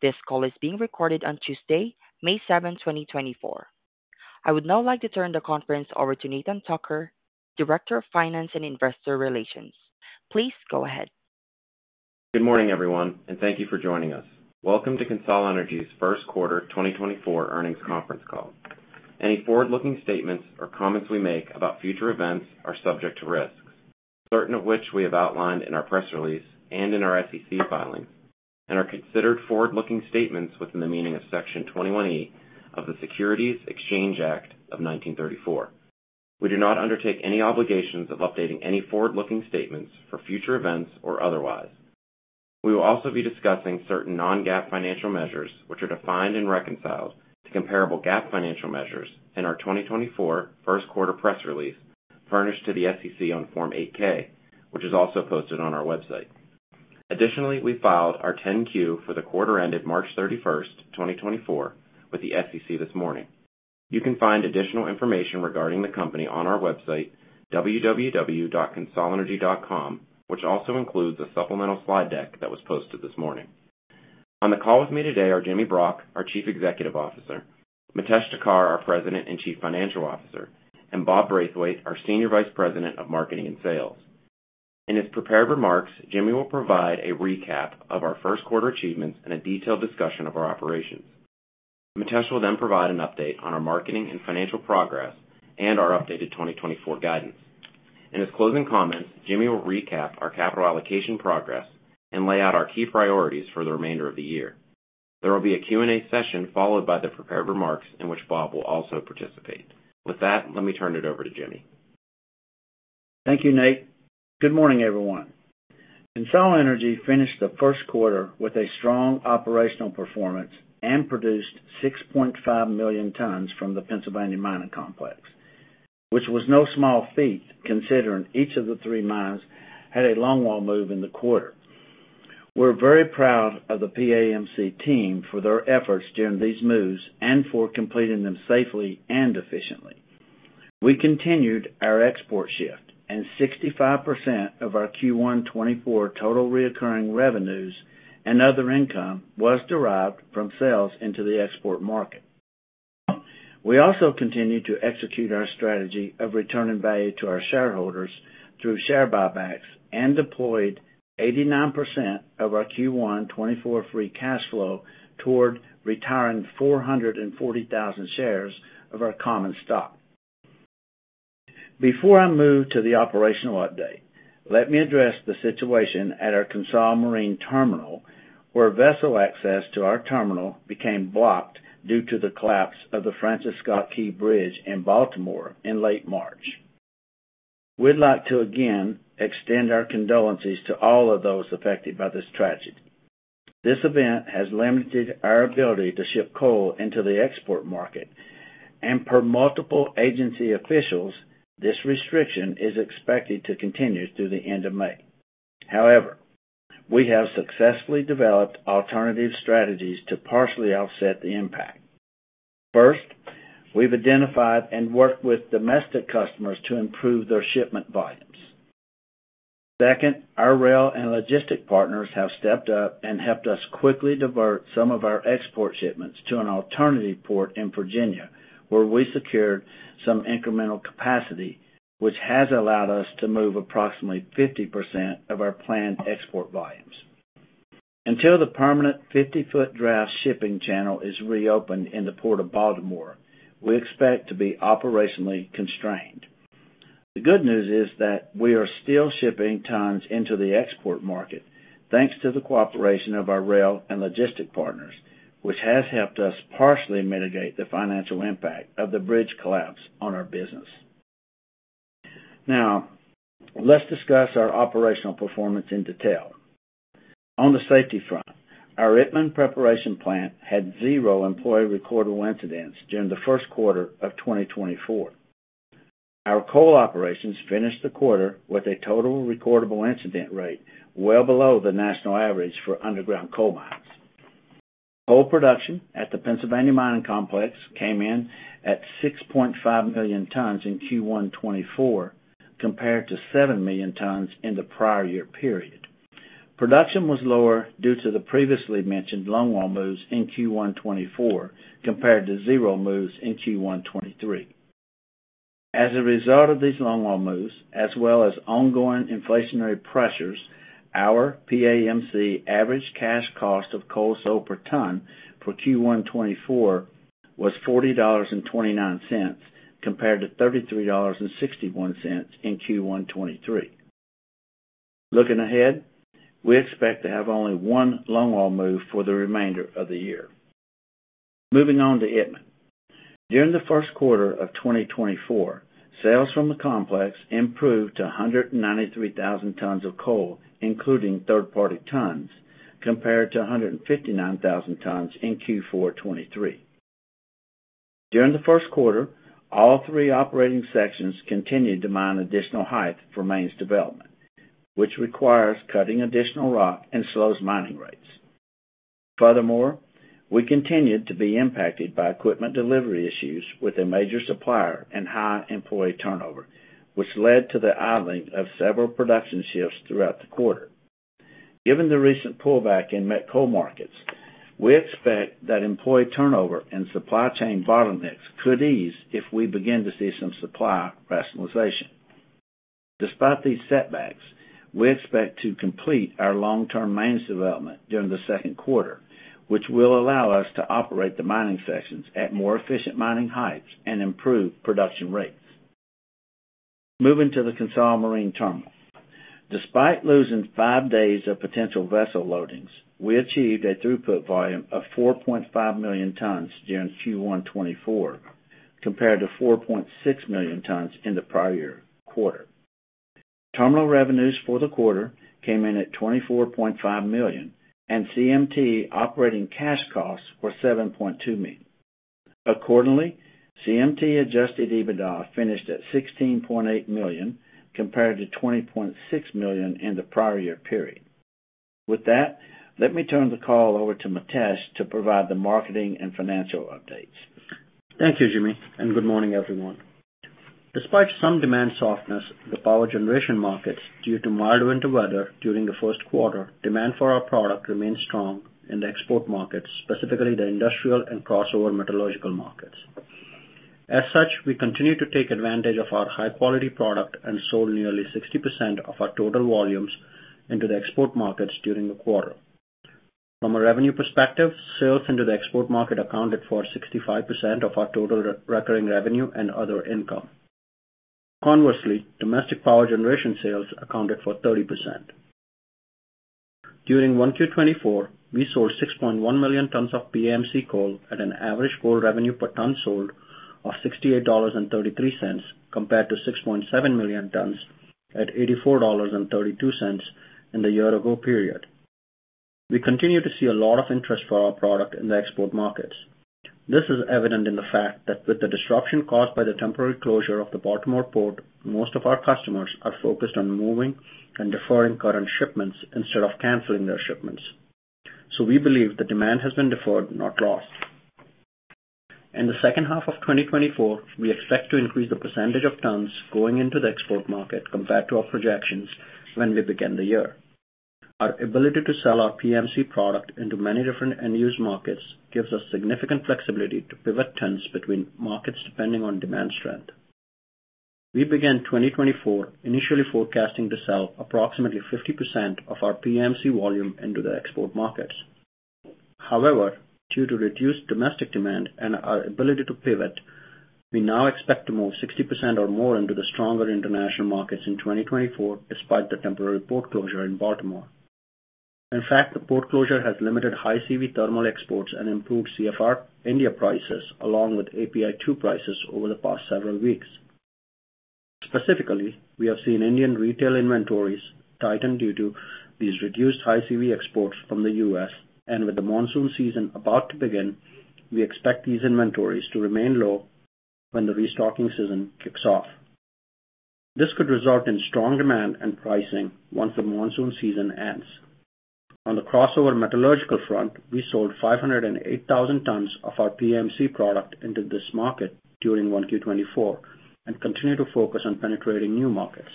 This call is being recorded on Tuesday, May 7, 2024. I would now like to turn the conference over to Nathan Tucker, Director of Finance and Investor Relations. Please go ahead. Good morning, everyone, and thank you for joining us. Welcome to CONSOL Energy's First Quarter 2024 Earnings Conference Call. Any forward-looking statements or comments we make about future events are subject to risks, certain of which we have outlined in our press release and in our SEC filings, and are considered forward-looking statements within the meaning of Section 21E of the Securities Exchange Act of 1934. We do not undertake any obligations of updating any forward-looking statements for future events or otherwise. We will also be discussing certain non-GAAP financial measures, which are defined and reconciled to comparable GAAP financial measures in our 2024 first quarter press release, furnished to the SEC on Form 8-K, which is also posted on our website. Additionally, we filed our 10-Q for the quarter ended March 31, 2024, with the SEC this morning. You can find additional information regarding the company on our website, www.consolenergy.com, which also includes a supplemental slide deck that was posted this morning. On the call with me today are Jimmy Brock, our Chief Executive Officer, Mitesh Thakkar, our President and Chief Financial Officer, and Bob Braithwaite, our Senior Vice President of Marketing and Sales. In his prepared remarks, Jimmy will provide a recap of our first quarter achievements and a detailed discussion of our operations. Mitesh will then provide an update on our marketing and financial progress and our updated 2024 guidance. In his closing comments, Jimmy will recap our capital allocation progress and lay out our key priorities for the remainder of the year. There will be a Q&A session, followed by the prepared remarks, in which Bob will also participate. With that, let me turn it over to Jimmy. Thank you, Nate. Good morning, everyone. CONSOL Energy finished the first quarter with a strong operational performance and produced 6.5 million tons from the Pennsylvania Mining Complex, which was no small feat, considering each of the three mines had a longwall move in the quarter. We're very proud of the PAMC team for their efforts during these moves and for completing them safely and efficiently. We continued our export shift, and 65% of our Q1 2024 total recurring revenues and other income was derived from sales into the export market. We also continued to execute our strategy of returning value to our shareholders through share buybacks and deployed 89% of our Q1 2024 free cash flow toward retiring 440,000 shares of our common stock. Before I move to the operational update, let me address the situation at our CONSOL Marine Terminal, where vessel access to our terminal became blocked due to the collapse of the Francis Scott Key Bridge in Baltimore in late March. We'd like to again extend our condolences to all of those affected by this tragedy. This event has limited our ability to ship coal into the export market, and per multiple agency officials, this restriction is expected to continue through the end of May. However, we have successfully developed alternative strategies to partially offset the impact. First, we've identified and worked with domestic customers to improve their shipment volumes. Second, our rail and logistic partners have stepped up and helped us quickly divert some of our export shipments to an alternative port in Virginia, where we secured some incremental capacity, which has allowed us to move approximately 50% of our planned export volumes. Until the permanent 50-foot draft shipping channel is reopened in the Port of Baltimore, we expect to be operationally constrained. The good news is that we are still shipping tons into the export market, thanks to the cooperation of our rail and logistic partners, which has helped us partially mitigate the financial impact of the bridge collapse on our business. Now, let's discuss our operational performance in detail. On the safety front, our Itmann Preparation Plant had zero employee recordable incidents during the first quarter of 2024. Our coal operations finished the quarter with a total recordable incident rate well below the national average for underground coal mines. Coal production at the Pennsylvania Mining Complex came in at 6.5 million tons in Q1 2024, compared to 7 million tons in the prior year period. Production was lower due to the previously mentioned longwall moves in Q1 2024, compared to 0 moves in Q1 2023. As a result of these longwall moves, as well as ongoing inflationary pressures, our PAMC average cash cost of coal sold per ton for Q1 2024 was $40.29, compared to $33.61 in Q1 2023. Looking ahead, we expect to have only one longwall move for the remainder of the year. Moving on to Itmann. During the first quarter of 2024, sales from the complex improved to 193,000 tons of coal, including third-party tons, compared to 159,000 tons in Q4 2023. During the first quarter, all three operating sections continued to mine additional height for mains development, which requires cutting additional rock and slows mining rates. Furthermore, we continued to be impacted by equipment delivery issues with a major supplier and high employee turnover, which led to the idling of several production shifts throughout the quarter. Given the recent pullback in met coal markets, we expect that employee turnover and supply chain bottlenecks could ease if we begin to see some supply rationalization. Despite these setbacks, we expect to complete our long-term maintenance development during the second quarter, which will allow us to operate the mining sessions at more efficient mining heights and improve production rates. Moving to the CONSOL Marine Terminal. Despite losing 5 days of potential vessel loadings, we achieved a throughput volume of 4.5 million tons during Q1 2024, compared to 4.6 million tons in the prior year quarter. Terminal revenues for the quarter came in at $24.5 million, and CMT operating cash costs were $7.2 million. Accordingly, CMT adjusted EBITDA finished at $16.8 million, compared to $20.6 million in the prior year period. With that, let me turn the call over to Mitesh to provide the marketing and financial updates. Thank you, Jimmy, and good morning, everyone. Despite some demand softness in the power generation markets due to milder winter weather during the first quarter, demand for our product remains strong in the export markets, specifically the industrial and crossover metallurgical markets. As such, we continue to take advantage of our high-quality product and sold nearly 60% of our total volumes into the export markets during the quarter. From a revenue perspective, sales into the export market accounted for 65% of our total recurring revenue and other income. Conversely, domestic power generation sales accounted for 30%. During 1Q 2024, we sold 6.1 million tons of PAMC coal at an average coal revenue per ton sold of $68.33, compared to 6.7 million tons at $84.32 in the year ago period. We continue to see a lot of interest for our product in the export markets. This is evident in the fact that with the disruption caused by the temporary closure of the Baltimore Port, most of our customers are focused on moving and deferring current shipments instead of canceling their shipments. So we believe the demand has been deferred, not lost. In the second half of 2024, we expect to increase the percentage of tons going into the export market compared to our projections when we began the year. Our ability to sell our PMC product into many different end use markets gives us significant flexibility to pivot tons between markets depending on demand strength. We began 2024 initially forecasting to sell approximately 50% of our PMC volume into the export markets. However, due to reduced domestic demand and our ability to pivot, we now expect to move 60% or more into the stronger international markets in 2024, despite the temporary port closure in Baltimore. In fact, the port closure has limited high CV thermal exports and improved CFR India prices, along with API 2 prices over the past several weeks. Specifically, we have seen Indian retail inventories tighten due to these reduced high CV exports from the U.S. With the monsoon season about to begin, we expect these inventories to remain low when the restocking season kicks off. This could result in strong demand and pricing once the monsoon season ends. On the crossover metallurgical front, we sold 508,000 tons of our PAMC product into this market during 1Q 2024 and continue to focus on penetrating new markets.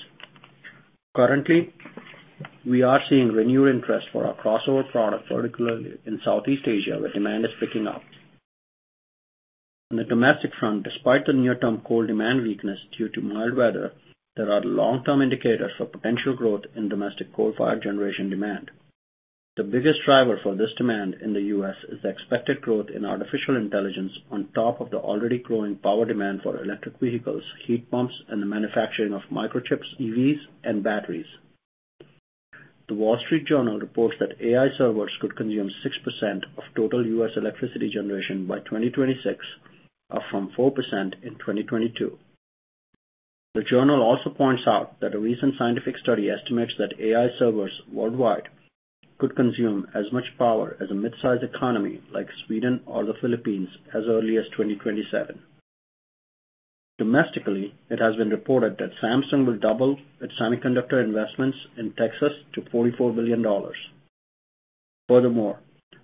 Currently, we are seeing renewed interest for our crossover product, particularly in Southeast Asia, where demand is picking up. On the domestic front, despite the near-term coal demand weakness due to mild weather, there are long-term indicators for potential growth in domestic coal-fired generation demand. The biggest driver for this demand in the U.S. is the expected growth in artificial intelligence, on top of the already growing power demand for electric vehicles, heat pumps, and the manufacturing of microchips, EVs, and batteries. The Wall Street Journal reports that AI servers could consume 6% of total U.S. electricity generation by 2026, up from 4% in 2022. The journal also points out that a recent scientific study estimates that AI servers worldwide could consume as much power as a mid-size economy like Sweden or the Philippines as early as 2027. Domestically, it has been reported that Samsung will double its semiconductor investments in Texas to $44 billion. Furthermore,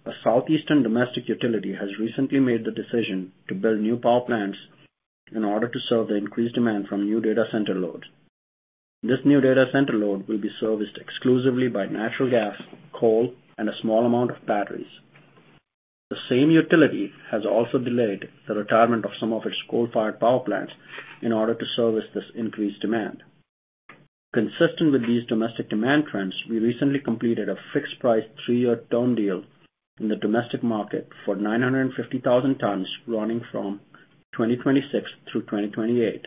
a Southeastern domestic utility has recently made the decision to build new power plants in order to serve the increased demand from new data center loads. This new data center load will be serviced exclusively by natural gas, coal, and a small amount of batteries. The same utility has also delayed the retirement of some of its coal-fired power plants in order to service this increased demand. Consistent with these domestic demand trends, we recently completed a fixed price, three-year term deal in the domestic market for 950,000 tons, running from 2026 through 2028.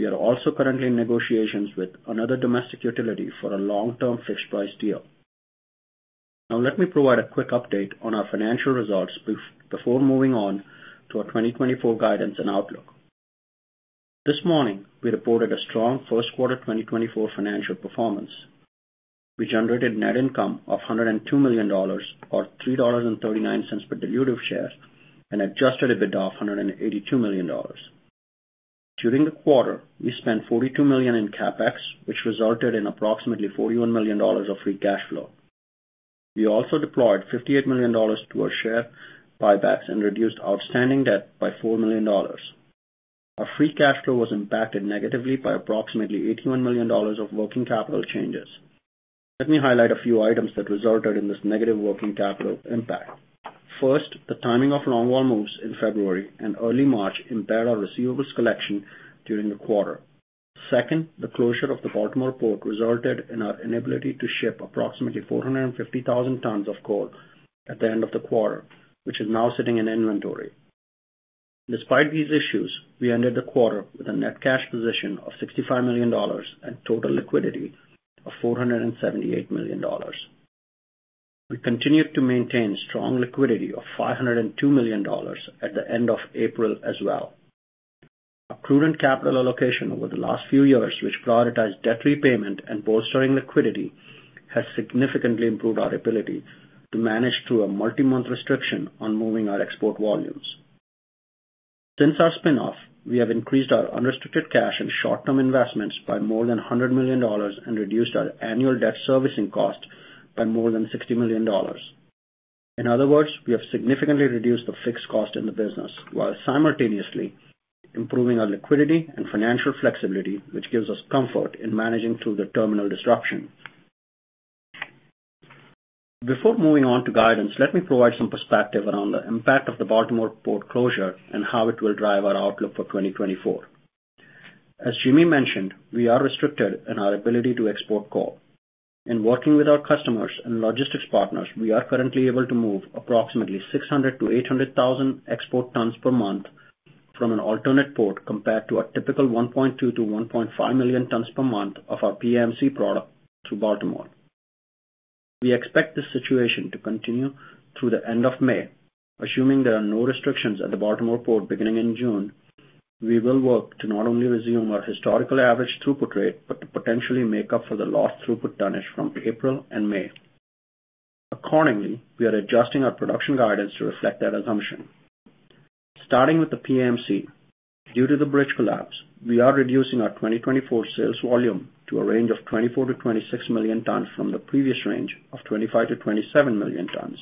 We are also currently in negotiations with another domestic utility for a long-term fixed price deal. Now let me provide a quick update on our financial results before moving on to our 2024 guidance and outlook. This morning, we reported a strong first quarter 2024 financial performance. We generated net income of $102 million, or $3.39 per dilutive share, and adjusted EBITDA of $182 million. During the quarter, we spent $42 million in CapEx, which resulted in approximately $41 million of free cash flow. We also deployed $58 million to our share buybacks and reduced outstanding debt by $4 million. Our free cash flow was impacted negatively by approximately $81 million of working capital changes. Let me highlight a few items that resulted in this negative working capital impact. First, the timing of longwall moves in February and early March impaired our receivables collection during the quarter. Second, the closure of the Baltimore Port resulted in our inability to ship approximately 450,000 tons of coal at the end of the quarter, which is now sitting in inventory. Despite these issues, we ended the quarter with a net cash position of $65 million and total liquidity of $478 million. We continued to maintain strong liquidity of $502 million at the end of April as well. Our prudent capital allocation over the last few years, which prioritized debt repayment and bolstering liquidity, has significantly improved our ability to manage through a multi-month restriction on moving our export volumes. Since our spin-off, we have increased our unrestricted cash and short-term investments by more than $100 million and reduced our annual debt servicing cost by more than $60 million. In other words, we have significantly reduced the fixed cost in the business, while simultaneously improving our liquidity and financial flexibility, which gives us comfort in managing through the terminal disruption. Before moving on to guidance, let me provide some perspective around the impact of the Baltimore port closure and how it will drive our outlook for 2024. As Jimmy mentioned, we are restricted in our ability to export coal. In working with our customers and logistics partners, we are currently able to move approximately 600,000-800,000 export tons per month from an alternate port, compared to our typical 1.2-1.5 million tons per month of our PAMC product through Baltimore. We expect this situation to continue through the end of May. Assuming there are no restrictions at the Baltimore Port beginning in June, we will work to not only resume our historical average throughput rate, but to potentially make up for the lost throughput tonnage from April and May. Accordingly, we are adjusting our production guidance to reflect that assumption. Starting with the PAMC, due to the bridge collapse, we are reducing our 2024 sales volume to a range of 24-26 million tons from the previous range of 25-27 million tons.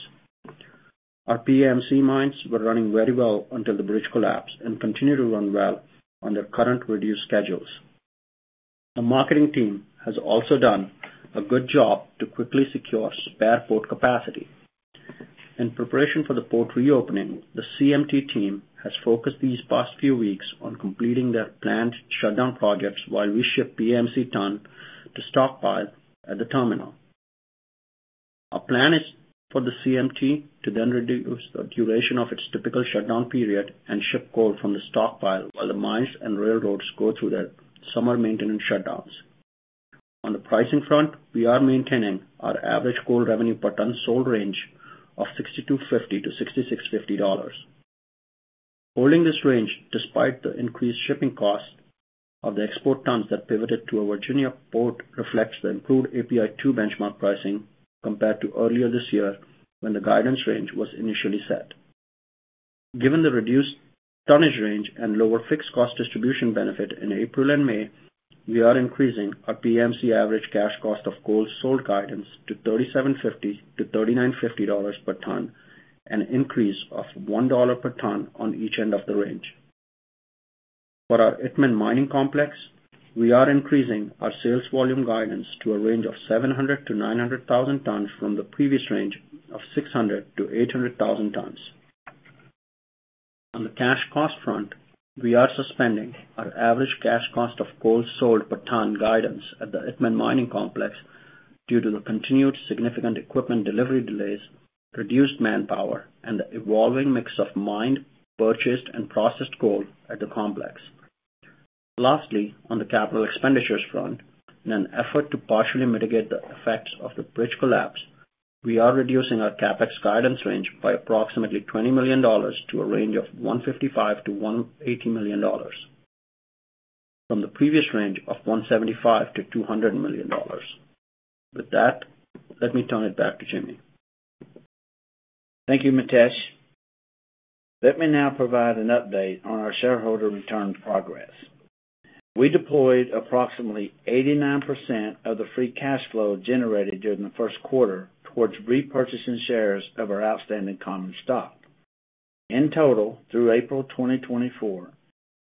Our PAMC mines were running very well until the bridge collapsed and continue to run well on their current reduced schedules. The marketing team has also done a good job to quickly secure spare port capacity. In preparation for the port reopening, the CMT team has focused these past few weeks on completing their planned shutdown projects while we ship PAMC tons to stockpile at the terminal. Our plan is for the CMT to then reduce the duration of its typical shutdown period and ship coal from the stockpile while the mines and railroads go through their summer maintenance shutdowns. On the pricing front, we are maintaining our average coal revenue per ton sold range of $62.50-$66.50. Holding this range despite the increased shipping cost of the export tons that pivoted to our Virginia port, reflects the improved API 2 benchmark pricing compared to earlier this year when the guidance range was initially set. Given the reduced tonnage range and lower fixed cost distribution benefit in April and May, we are increasing our PMC average cash cost of coal sold guidance to $37.50-$39.50 per ton, an increase of $1 per ton on each end of the range. For our Itmann Mining Complex, we are increasing our sales volume guidance to a range of 700,000-900,000 tons from the previous range of 600,000-800,000 tons. On the cash cost front, we are suspending our average cash cost of coal sold per ton guidance at the Itmann Mining Complex due to the continued significant equipment delivery delays, reduced manpower, and the evolving mix of mined, purchased, and processed coal at the complex. Lastly, on the capital expenditures front, in an effort to partially mitigate the effects of the bridge collapse, we are reducing our CapEx guidance range by approximately $20 million to a range of $155 million-$180 million, from the previous range of $175 million-$200 million. With that, let me turn it back to Jimmy. Thank you, Mitesh. Let me now provide an update on our shareholder return progress. We deployed approximately 89% of the free cash flow generated during the first quarter towards repurchasing shares of our outstanding common stock. In total, through April 2024,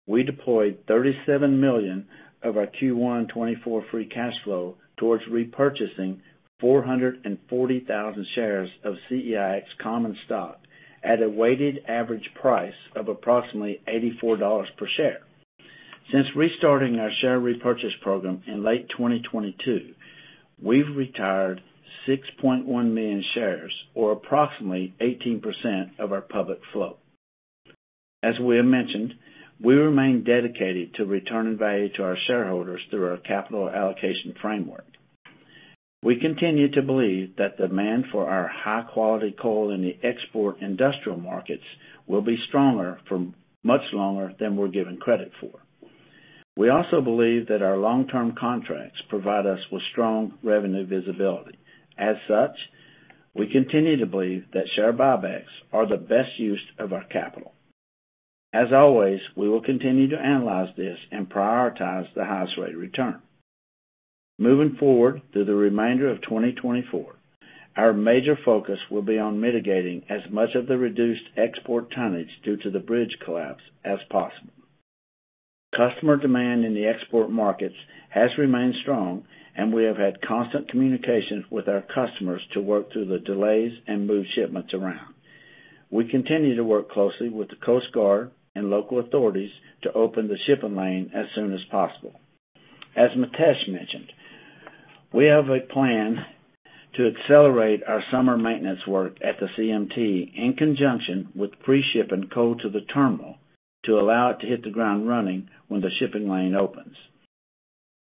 we deployed $37 million of our Q1 2024 free cash flow towards repurchasing 440,000 shares of CEIX common stock at a weighted average price of approximately $84 per share. Since restarting our share repurchase program in late 2022, we've retired 6.1 million shares, or approximately 18% of our public float. As we have mentioned, we remain dedicated to returning value to our shareholders through our capital allocation framework. We continue to believe that demand for our high-quality coal in the export industrial markets will be stronger for much longer than we're given credit for. We also believe that our long-term contracts provide us with strong revenue visibility. As such. We continue to believe that share buybacks are the best use of our capital. As always, we will continue to analyze this and prioritize the highest rate of return. Moving forward through the remainder of 2024, our major focus will be on mitigating as much of the reduced export tonnage due to the bridge collapse as possible. Customer demand in the export markets has remained strong, and we have had constant communication with our customers to work through the delays and move shipments around. We continue to work closely with the Coast Guard and local authorities to open the shipping lane as soon as possible. As Mitesh mentioned, we have a plan to accelerate our summer maintenance work at the CMT, in conjunction with pre-shipping coal to the terminal, to allow it to hit the ground running when the shipping lane opens.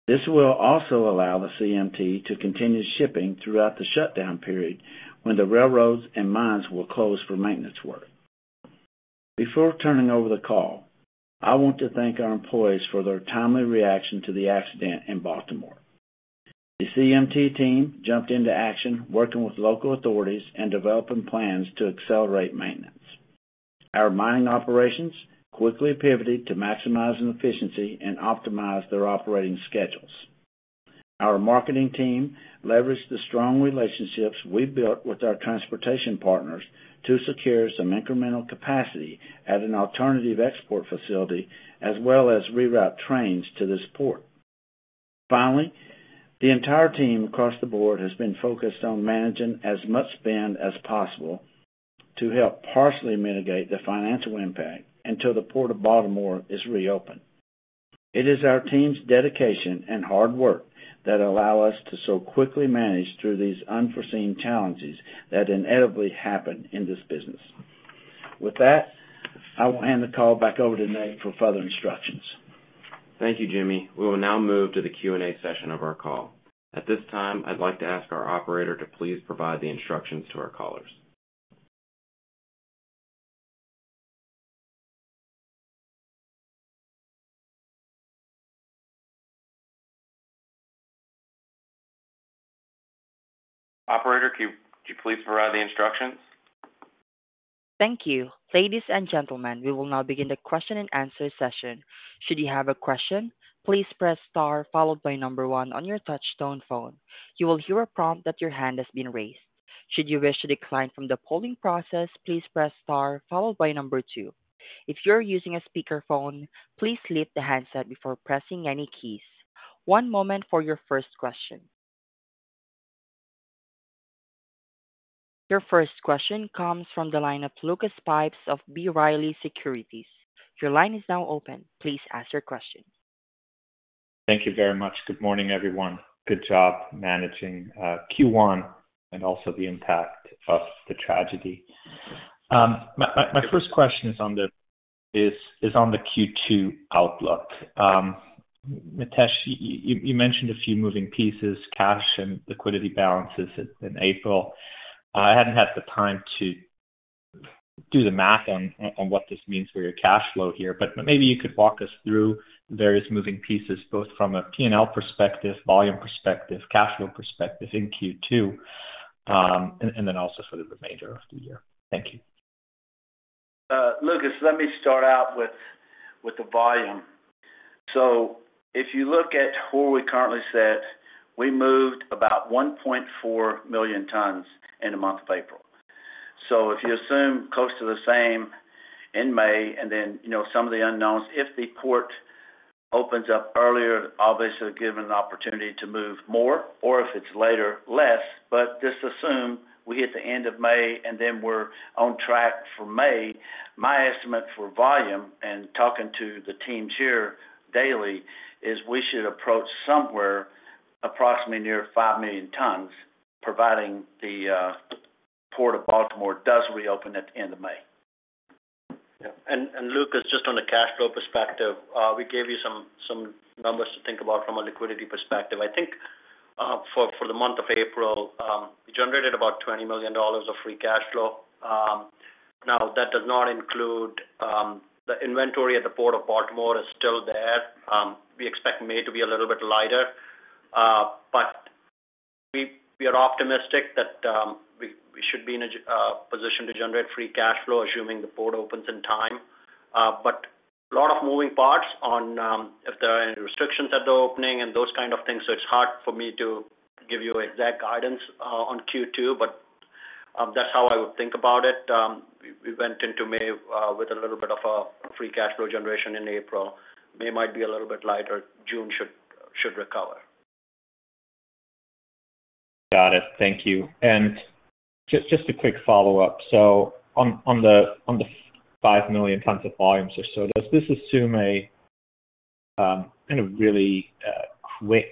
This will also allow the CMT to continue shipping throughout the shutdown period, when the railroads and mines will close for maintenance work. Before turning over the call, I want to thank our employees for their timely reaction to the accident in Baltimore. The CMT team jumped into action, working with local authorities and developing plans to accelerate maintenance. Our mining operations quickly pivoted to maximize efficiency and optimize their operating schedules. Our marketing team leveraged the strong relationships we've built with our transportation partners to secure some incremental capacity at an alternative export facility, as well as reroute trains to this port. Finally, the entire team across the board has been focused on managing as much spend as possible to help partially mitigate the financial impact until the Port of Baltimore is reopened. It is our team's dedication and hard work that allow us to so quickly manage through these unforeseen challenges that inevitably happen in this business. With that, I will hand the call back over to Nate for further instructions. Thank you, Jimmy. We will now move to the Q&A session of our call. At this time, I'd like to ask our operator to please provide the instructions to our callers. Operator, could you please provide the instructions? Thank you. Ladies and gentlemen, we will now begin the question-and-answer session. Should you have a question, please press star followed by number one on your touchtone phone. You will hear a prompt that your hand has been raised. Should you wish to decline from the polling process, please press star followed by number two. If you are using a speakerphone, please lift the handset before pressing any keys. One moment for your first question. Your first question comes from the line of Lucas Pipes of B. Riley Securities. Your line is now open. Please ask your question. Thank you very much. Good morning, everyone. Good job managing Q1 and also the impact of the tragedy. My first question is on the Q2 outlook. Mitesh, you mentioned a few moving pieces, cash and liquidity balances in April. I hadn't had the time to do the math on what this means for your cash flow here, but maybe you could walk us through the various moving pieces, both from a PNL perspective, volume perspective, cash flow perspective in Q2, and then also for the remainder of the year. Thank you. Lucas, let me start out with the volume. So if you look at where we currently sit, we moved about 1.4 million tons in the month of April. So if you assume close to the same in May, and then, you know, some of the unknowns, if the port opens up earlier, obviously give an opportunity to move more, or if it's later, less. But just assume we hit the end of May and then we're on track for May. My estimate for volume, and talking to the teams here daily, is we should approach somewhere approximately near 5 million tons, providing the Port of Baltimore does reopen at the end of May. Yeah. And Lucas, just on the cash flow perspective, we gave you some numbers to think about from a liquidity perspective. I think, for the month of April, we generated about $20 million of free cash flow. Now, that does not include the inventory at the Port of Baltimore is still there. We expect May to be a little bit lighter, but we are optimistic that we should be in a position to generate free cash flow, assuming the port opens in time. But a lot of moving parts on if there are any restrictions at the opening and those kind of things. So it's hard for me to give you exact guidance on Q2, but that's how I would think about it. We went into May with a little bit of a Free Cash Flow generation in April. May might be a little bit lighter. June should recover. Got it. Thank you. And just a quick follow-up. So on the 5 million tons of volume or so, does this assume a kind of really quick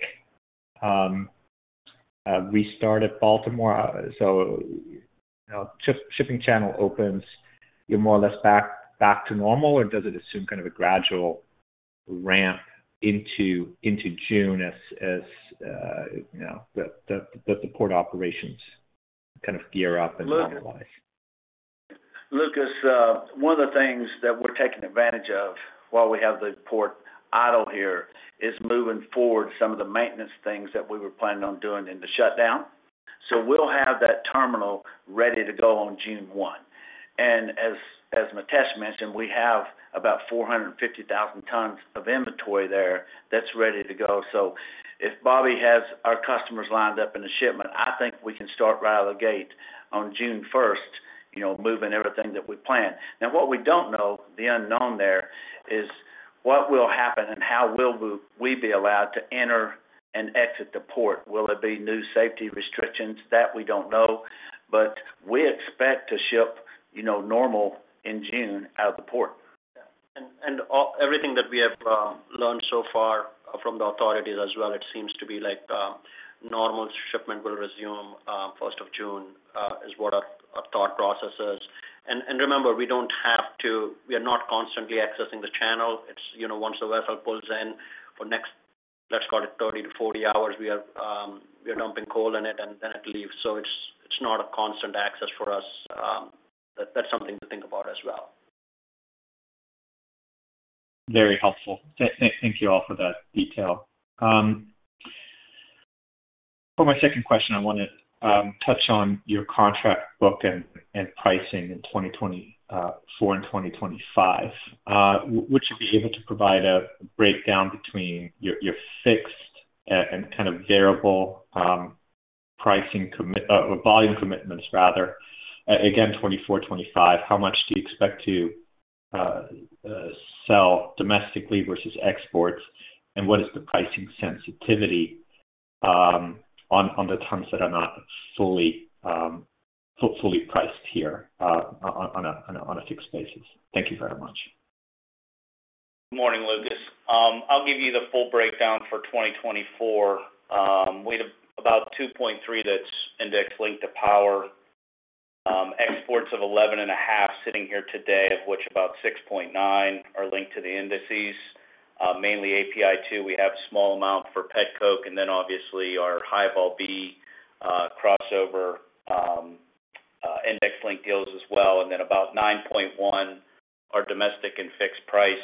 restart at Baltimore? So, you know, shipping channel opens, you're more or less back to normal, or does it assume kind of a gradual ramp into June as you know, the port operations kind of gear up and normalize? Lucas, one of the things that we're taking advantage of while we have the port idle here, is moving forward some of the maintenance things that we were planning on doing in the shutdown. So we'll have that terminal ready to go on June 1. And as Mitesh mentioned, we have about 450,000 tons of inventory there that's ready to go. So if Bobby has our customers lined up in the shipment, I think we can start right out of the gate on June 1, you know, moving everything that we planned. Now, what we don't know, the unknown there, is what will happen and how will we be allowed to enter and exit the port? Will there be new safety restrictions? That we don't know, but we expect to ship, you know, normal in June out of the port. And everything that we have learned so far from the authorities as well, it seems to be like normal shipment will resume first of June is what our thought process is. And remember, we don't have to, we are not constantly accessing the channel. It's, you know, once the vessel pulls in, for next, let's call it 30-40 hours, we are dumping coal in it, and then it leaves. So it's not a constant access for us. That's something to think about as well. Very helpful. Thank you all for that detail. For my second question, I wanna touch on your contract book and pricing in 2024 and 2025. Would you be able to provide a breakdown between your fixed and kind of variable pricing volume commitments, rather? Again, 2024, 2025, how much do you expect to sell domestically versus exports? And what is the pricing sensitivity on the tons that are not fully priced here on a fixed basis? Thank you very much. Good morning, Lucas. I'll give you the full breakdown for 2024. We have about 2.3 that's index-linked to power. Exports of 11.5 sitting here today, of which about 6.9 are linked to the indices. Mainly API 2, we have a small amount for Pet Coke, and then obviously our High-Vol B crossover index-linked deals as well. And then about 9.1 are domestic and fixed price.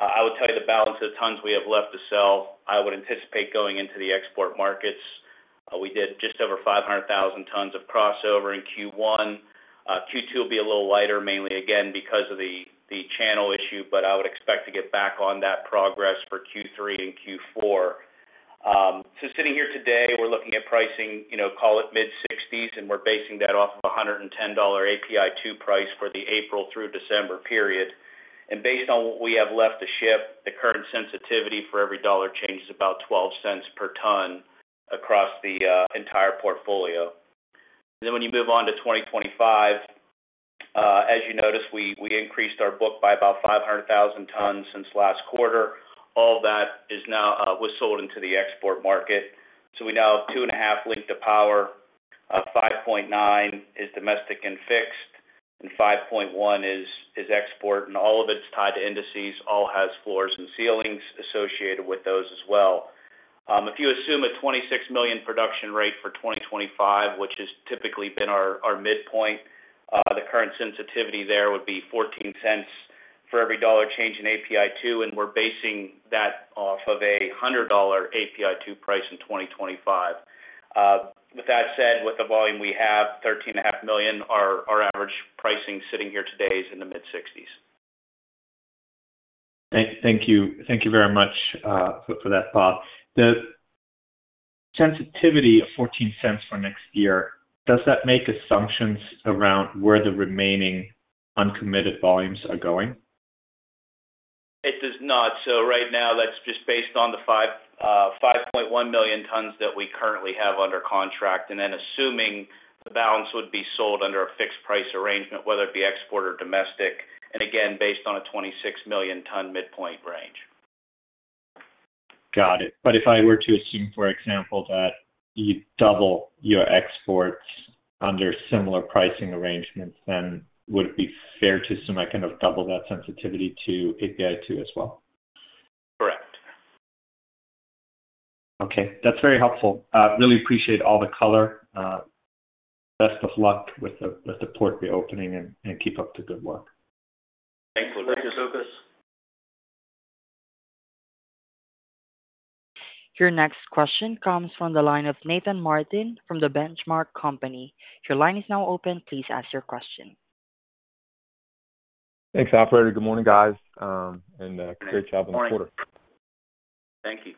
I would tell you the balance of the tons we have left to sell, I would anticipate going into the export markets. We did just over 500,000 tons of crossover in Q1. Q2 will be a little lighter, mainly again, because of the channel issue, but I would expect to get back on that progress for Q3 and Q4. So sitting here today, we're looking at pricing, you know, call it mid-sixties, and we're basing that off of a $110 API 2 price for the April through December period. Based on what we have left to ship, the current sensitivity for every $1 change is about $0.12 per ton across the entire portfolio. Then when you move on to 2025, as you notice, we increased our book by about 500,000 tons since last quarter. All that is now was sold into the export market. So we now have 2.5 linked to power. 5.9 is domestic and fixed, and 5.1 is export, and all of it's tied to indices. All has floors and ceilings associated with those as well. If you assume a 26 million production rate for 2025, which has typically been our midpoint, the current sensitivity there would be 14 cents for every $1 change in API 2, and we're basing that off of a $100 API 2 price in 2025. With that said, with the volume we have, 13.5 million, our average pricing sitting here today is in the mid-$60s. Thank you. Thank you very much for that, Bob. The sensitivity of $0.14 for next year, does that make assumptions around where the remaining uncommitted volumes are going? It does not. So right now, that's just based on the 5.1 million tons that we currently have under contract, and then assuming the balance would be sold under a fixed price arrangement, whether it be export or domestic, and again, based on a 26-million-ton midpoint range. Got it. But if I were to assume, for example, that you double your exports under similar pricing arrangements, then would it be fair to assume I kind of double that sensitivity to API 2 as well? Correct. Okay, that's very helpful. Really appreciate all the color. Best of luck with the port reopening, and keep up the good work. Thank you, Lucas. Thank you, Lucas. Your next question comes from the line of Nathan Martin from The Benchmark Company. Your line is now open. Please ask your question. Thanks, operator. Good morning, guys, and great job on the quarter. Thank you.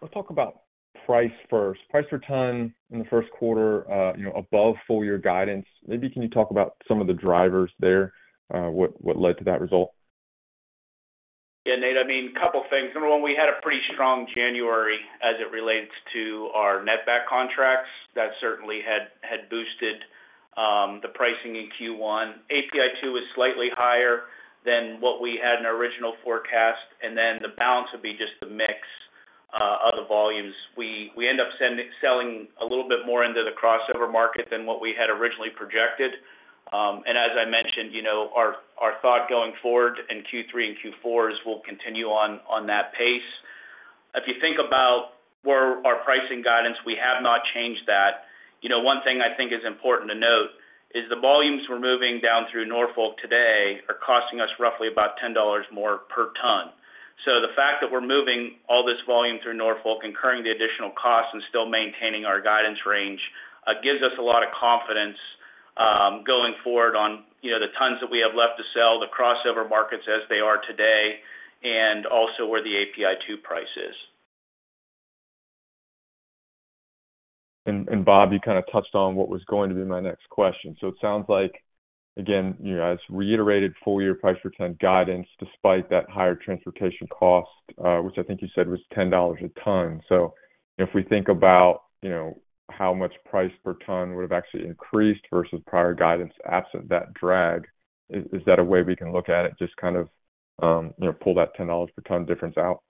Let's talk about price first. Price per ton in the first quarter, you know, above full year guidance. Maybe can you talk about some of the drivers there? What led to that result? Yeah, Nate, I mean, a couple things. Number one, we had a pretty strong January as it relates to our netback contracts. That certainly had boosted the pricing in Q1. API 2 was slightly higher than what we had in our original forecast, and then the balance would be just the mix of the volumes. We end up selling a little bit more into the crossover market than what we had originally projected. And as I mentioned, you know, our thought going forward in Q3 and Q4 is we'll continue on that pace. If you think about where our pricing guidance, we have not changed that. You know, one thing I think is important to note is the volumes we're moving down through Norfolk today are costing us roughly about $10 more per ton. So the fact that we're moving all this volume through Norfolk, incurring the additional costs and still maintaining our guidance range, gives us a lot of confidence, going forward on, you know, the tons that we have left to sell, the crossover markets as they are today, and also where the API 2 price is. Bob, you kind of touched on what was going to be my next question. So it sounds like, again, you know, as reiterated full year price for ton guidance, despite that higher transportation cost, which I think you said was $10 a ton. So if we think about, you know, how much price per ton would have actually increased versus prior guidance, absent that drag, is that a way we can look at it? Just kind of, you know, pull that $10 a ton difference out.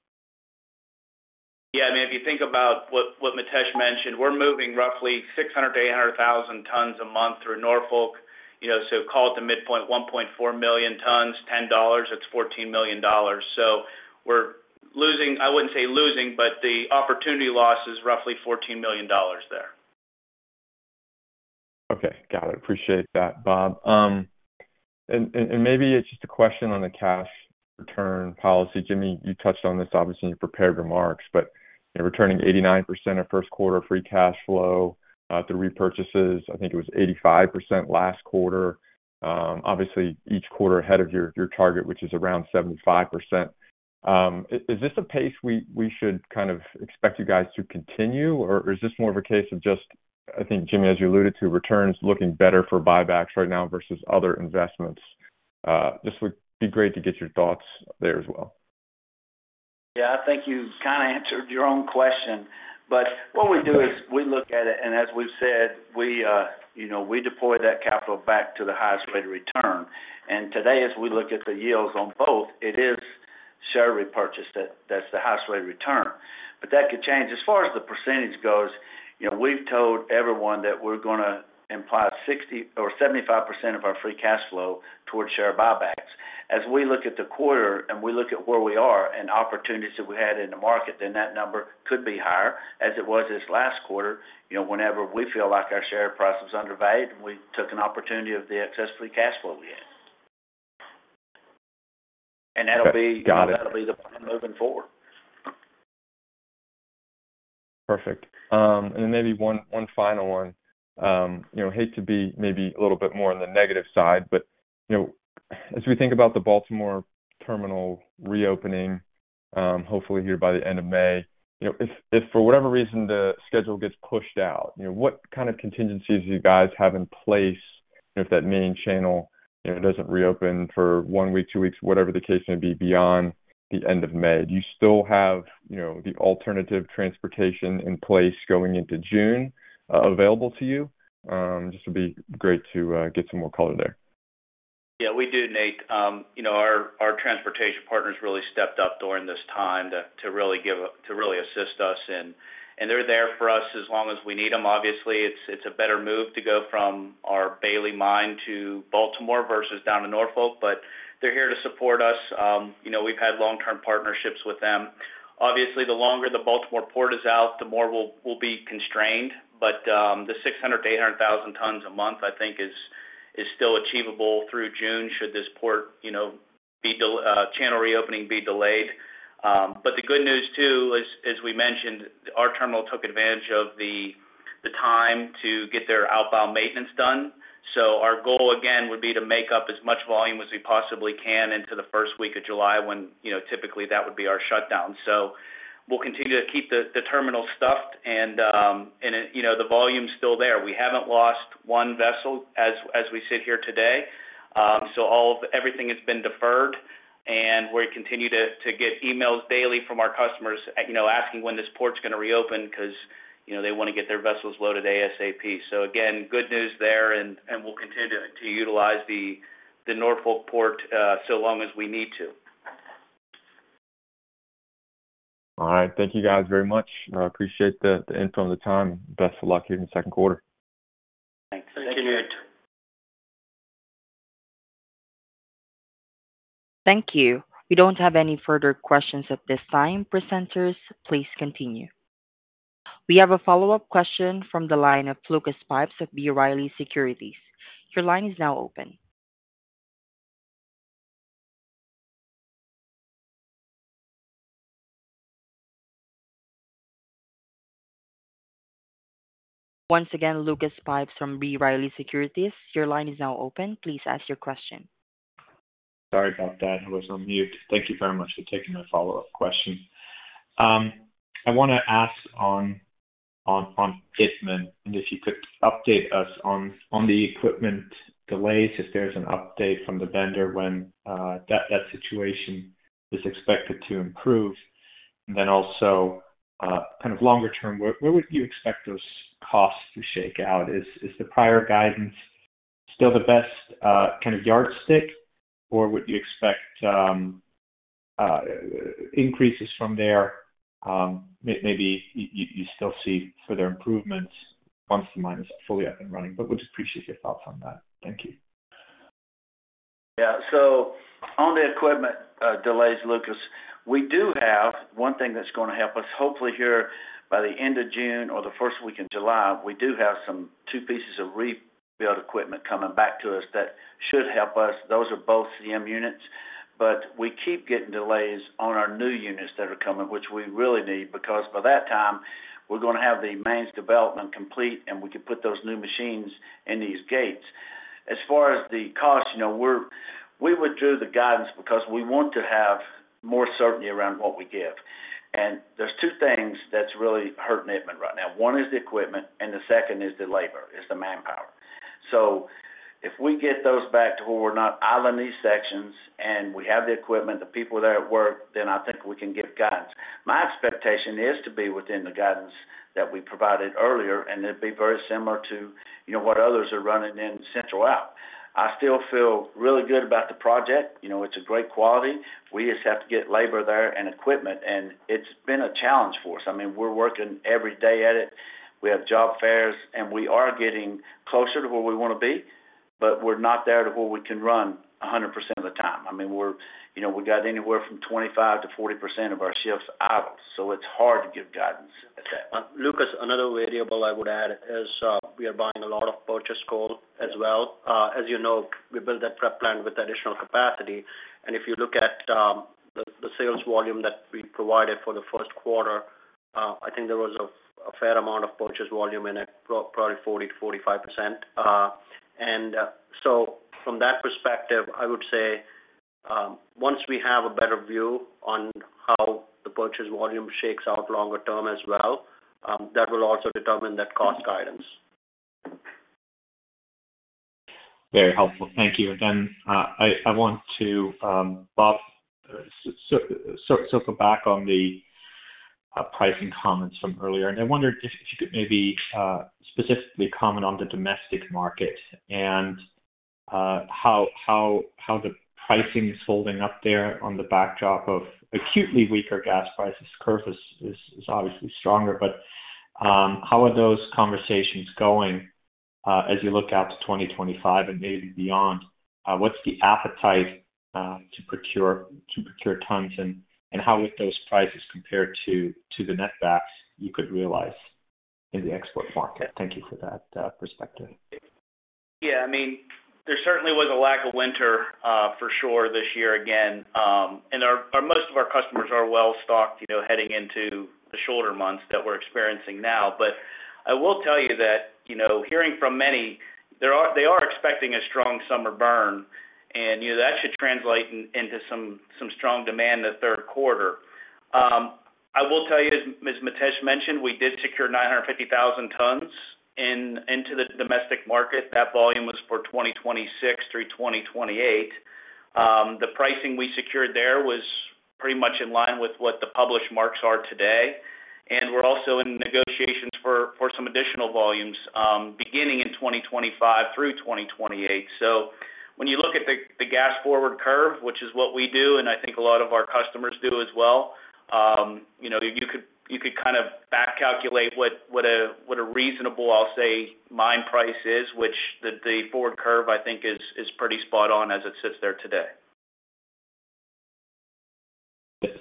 Yeah, I mean, if you think about what Mitesh mentioned, we're moving roughly 600-800,000 tons a month through Norfolk. You know, so call it the midpoint, 1.4 million tons, $10, that's $14 million. So we're losing... I wouldn't say losing, but the opportunity loss is roughly $14 million there. Okay, got it. Appreciate that, Bob. And maybe it's just a question on the cash return policy. Jimmy, you touched on this obviously in your prepared remarks, but, you know, returning 89% of first quarter free cash flow through repurchases, I think it was 85% last quarter. Obviously, each quarter ahead of your target, which is around 75%. Is this a pace we should kind of expect you guys to continue? Or is this more of a case of just, I think, Jimmy, as you alluded to, returns looking better for buybacks right now versus other investments? This would be great to get your thoughts there as well. Yeah, I think you kind of answered your own question, but what we do is we look at it, and as we've said, we, you know, we deploy that capital back to the highest rate of return. And today, as we look at the yields on both, it is share repurchase that, that's the highest rate of return. But that could change. As far as the percentage goes, you know, we've told everyone that we're gonna imply 60% or 75% of our Free Cash Flow towards share buybacks. As we look at the quarter and we look at where we are and opportunities that we had in the market, then that number could be higher, as it was this last quarter. You know, whenever we feel like our share price is undervalued, and we took an opportunity of the excess Free Cash Flow we had. And that'll be that'll be the plan moving forward. Perfect. And then maybe one final one. You know, hate to be maybe a little bit more on the negative side, but, you know, as we think about the Baltimore terminal reopening, hopefully here by the end of May. You know, if for whatever reason the schedule gets pushed out, you know, what kind of contingencies do you guys have in place if that main channel, you know, doesn't reopen for one week, two weeks, whatever the case may be, beyond the end of May? Do you still have, you know, the alternative transportation in place going into June, available to you? Just would be great to get some more color there. Yeah, we do, Nate. You know, our transportation partners really stepped up during this time to really assist us, and they're there for us as long as we need them. Obviously, it's a better move to go from our Bailey Mine to Baltimore versus down to Norfolk, but they're here to support us. You know, we've had long-term partnerships with them. Obviously, the longer the Baltimore port is out, the more we'll be constrained. But the 600,000-800,000 tons a month, I think is still achievable through June, should this port, you know, channel reopening be delayed. But the good news, too, is, as we mentioned, our terminal took advantage of the time to get their outbound maintenance done. So our goal again would be to make up as much volume as we possibly can into the first week of July, when, you know, typically that would be our shutdown. So we'll continue to keep the terminal stuffed. And, you know, the volume is still there. We haven't lost one vessel as we sit here today. So all of everything has been deferred, and we continue to get emails daily from our customers, you know, asking when this port is gonna reopen because, you know, they want to get their vessels loaded ASAP. So again, good news there, and we'll continue to utilize the Norfolk port so long as we need to. All right. Thank you guys very much. I appreciate the info and the time. Best of luck here in the second quarter. Thanks. Thank you, Nate. Thank you. We don't have any further questions at this time. Presenters, please continue. We have a follow-up question from the line of Lucas Pipes of B. Riley Securities. Your line is now open. Once again, Lucas Pipes from B. Riley Securities, your line is now open. Please ask your question. Sorry about that, I was on mute. Thank you very much for taking my follow-up question. I want to ask on Itmann, and if you could update us on the equipment delays, if there's an update from the vendor when that situation is expected to improve. Then also, kind of longer term, where would you expect those costs to shake out? Is the prior guidance still the best kind of yardstick, or would you expect increases from there? Maybe you still see further improvements once the mine is fully up and running, but would appreciate your thoughts on that. Thank you. On the equipment delays, Lucas, we do have one thing that's gonna help us. Hopefully, here by the end of June or the first week in July, we do have some two pieces of rebuilt equipment coming back to us that should help us. Those are both CM units, but we keep getting delays on our new units that are coming, which we really need, because by that time, we're gonna have the mains development complete, and we can put those new machines in these gates. As far as the cost, you know, we're we withdrew the guidance because we want to have more certainty around what we give. And there's two things that's really hurting Itmann right now. One is the equipment, and the second is the labor, it's the manpower. So if we get those back to where we're not idling these sections and we have the equipment, the people there at work, then I think we can give guidance. My expectation is to be within the guidance that we provided earlier, and it'd be very similar to, you know, what others are running in Central App. I still feel really good about the project. You know, it's a great quality. We just have to get labor there and equipment, and it's been a challenge for us. I mean, we're working every day at it. We have job fairs, and we are getting closer to where we want to be, but we're not there to where we can run 100% of the time. I mean, we're, you know, we got anywhere from 25%-40% of our shifts out, so it's hard to give guidance. Lucas, another variable I would add is, we are buying a lot of purchase coal as well. As you know, we built that prep plant with additional capacity, and if you look at the sales volume that we provided for the first quarter, I think there was a fair amount of purchase volume in it, probably 40%-45%. And so from that perspective, I would say, once we have a better view on how the purchase volume shakes out longer term as well, that will also determine that cost guidance. Very helpful. Thank you. I want to, Bob, circle back on the pricing comments from earlier. I wondered if you could maybe specifically comment on the domestic market and how the pricing is holding up there on the backdrop of acutely weaker gas prices. Curve is obviously stronger, but how are those conversations going as you look out to 2025 and maybe beyond? What's the appetite to procure tons, and how would those prices compare to the netbacks you could realize in the export market? Thank you for that perspective. Yeah, I mean, there certainly was a lack of winter, for sure this year again. And most of our customers are well-stocked, you know, heading into the shorter months that we're experiencing now. But I will tell you that, you know, hearing from many, they are expecting a strong summer burn, and, you know, that should translate into some strong demand in the third quarter. I will tell you, as Mitesh mentioned, we did secure 950,000 tons into the domestic market. That volume was for 2026 through 2028. The pricing we secured there was pretty much in line with what the published marks are today, and we're also in negotiations for some additional volumes, beginning in 2025 through 2028. So when you look at the gas forward curve, which is what we do, and I think a lot of our customers do as well, you know, you could kind of back calculate what a reasonable, I'll say, mine price is, which the forward curve, I think, is pretty spot on as it sits there today.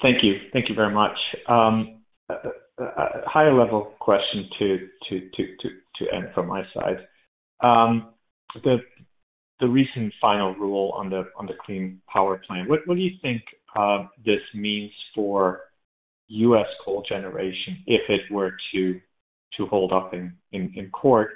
Thank you. Thank you very much. A higher level question to end from my side. The recent final rule on the Clean Power Plan, what do you think this means for U.S. coal generation if it were to hold up in court?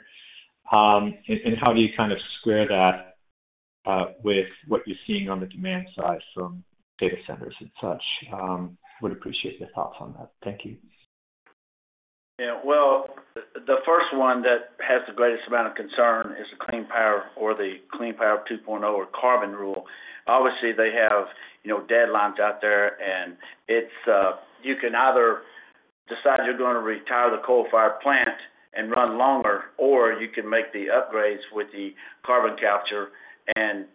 And how do you kind of square that with what you're seeing on the demand side from data centers and such? Would appreciate your thoughts on that. Thank you. Yeah, well, the first one that has the greatest amount of concern is the Clean Power Plan or the Clean Power 2.0, or carbon rule. Obviously, they have, you know, deadlines out there, and it's you can either decide you're gonna retire the coal-fired plant and run longer, or you can make the upgrades with the carbon capture and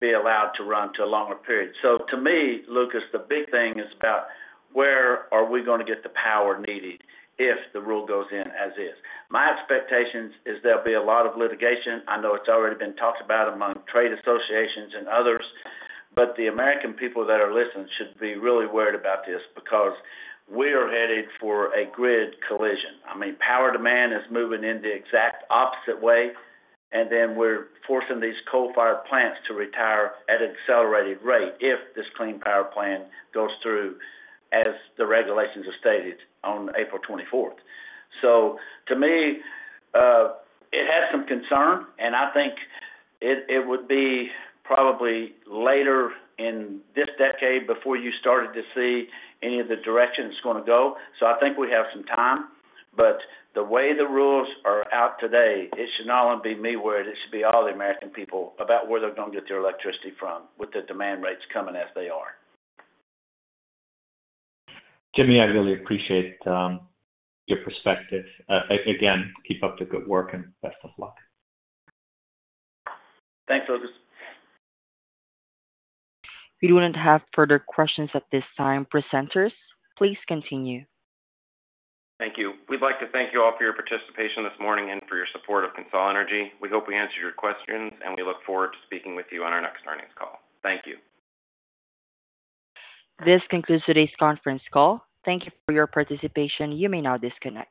be allowed to run to a longer period. So to me, Lucas, the big thing is about where are we gonna get the power needed if the rule goes in as is? My expectations is there'll be a lot of litigation. I know it's already been talked about among trade associations and others, but the American people that are listening should be really worried about this, because we are headed for a grid collision. I mean, power demand is moving in the exact opposite way, and then we're forcing these coal-fired plants to retire at an accelerated rate if this Clean Power Plan goes through, as the regulations are stated on April 24th. So to me, it has some concern, and I think it would be probably later in this decade before you started to see any of the direction it's gonna go. So I think we have some time, but the way the rules are out today, it should not only be me worried, it should be all the American people about where they're gonna get their electricity from, with the demand rates coming as they are. Jimmy, I really appreciate your perspective. Again, keep up the good work, and best of luck. Thanks, Lucas. We wouldn't have further questions at this time. Presenters, please continue. Thank you. We'd like to thank you all for your participation this morning and for your support of CONSOL Energy. We hope we answered your questions, and we look forward to speaking with you on our next earnings call. Thank you. This concludes today's conference call. Thank you for your participation. You may now disconnect.